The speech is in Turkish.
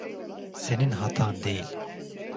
Senin hatan değil.